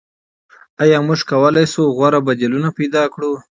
آیا موږ کولای شو غوره بدیلونه پیدا کړو؟